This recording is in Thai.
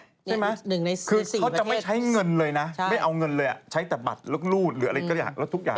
ใช่ไหมคือเขาจะไม่ใช้เงินเลยนะไม่เอาเงินเลยใช้แต่บัตรลกรูดหรืออะไรก็อย่างแล้วทุกอย่าง